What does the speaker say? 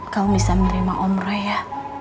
kamu bisa menerima om roy ya